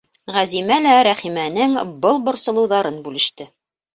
Ғәзимә лә Рәхимәнең был борсолоуҙарын бүлеште: